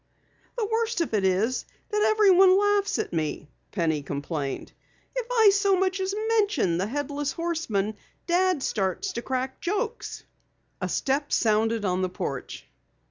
"The worst of it is that everyone laughs at me," Penny complained. "If I so much as mention the Headless Horseman Dad starts to crack jokes." A step sounded on the porch.